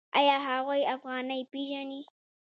آیا هغوی افغانۍ پیژني؟